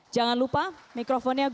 jangan lupa mikrofonnya agus